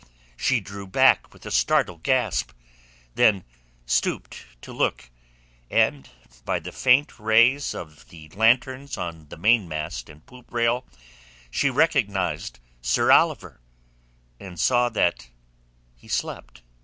She drew back with a startled gasp; then stooped to look, and by the faint rays of the lanterns on mainmast and poop rail she recognized Sir Oliver, and saw that he slept.